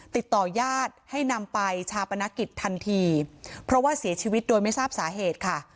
ติดต่อญาติให้นำไปชาปนกิจทันทีเพราะว่าเสียชีวิตโดยไม่ทราบสาเหตุค่ะ